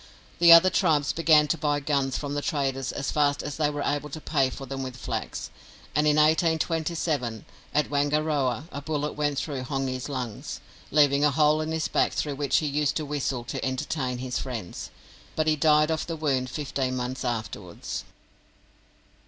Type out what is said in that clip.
The other tribes began to buy guns from the traders as fast as they were able to pay for them with flax; and in 1827, at Wangaroa, a bullet went through Hongi's lungs, leaving a hole in his back through which he used to whistle to entertain his friends; but he died of the wound fifteen months afterwards.